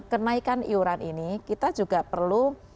kenaikan iuran ini kita juga perlu